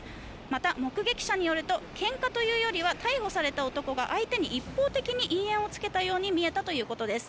また、目撃者によるとけんかというよりは逮捕された男が相手に一方的に因縁をつけたように見えたということです。